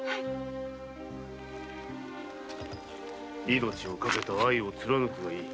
命をかけた愛をつらぬくがいい。